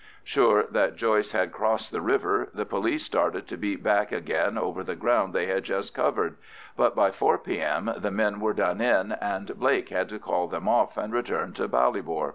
Sure that Joyce had crossed the river, the police started to beat back again over the ground they had just covered; but by 4 P.M. the men were done in, and Blake had to call them off and return to Ballybor.